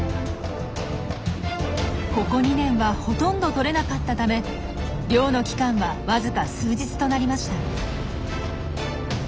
ここ２年はほとんどとれなかったため漁の期間はわずか数日となりました。